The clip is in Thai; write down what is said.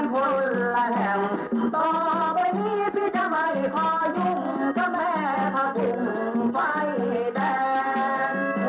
้วเพียเนียแพวพ่อทั้งที